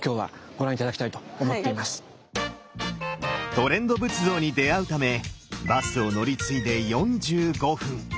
トレンド仏像に出会うためバスを乗り継いで４５分。